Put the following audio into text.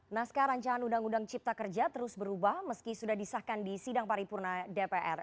naskah rancangan undang undang cipta kerja terus berubah meski sudah disahkan di sidang paripurna dpr